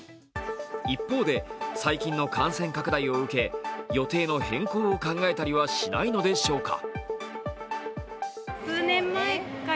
一方で、最近の感染拡大を受け予定の変更を考えたりはしないのでしょうか。